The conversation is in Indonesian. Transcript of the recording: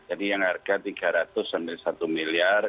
jadi yang harga rp tiga ratus satu miliar